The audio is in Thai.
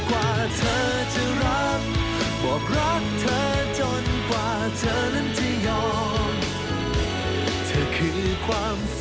ว่าอย่างไรแหล่ยใจฉันก็ไม่ยอม